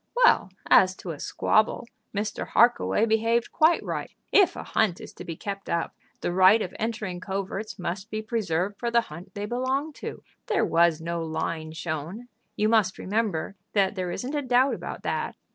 "Well; as to a squabble, Mr. Harkaway behaved quite right. If a hunt is to be kept up, the right of entering coverts must be preserved for the hunt they belong to. There was no line shown. You must remember that there isn't a doubt about that.